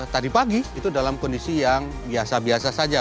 tadi pagi itu dalam kondisi yang biasa biasa saja